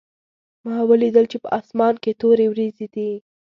ما ولیدل چې په اسمان کې تورې وریځې دي